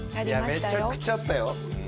めちゃくちゃあったよ。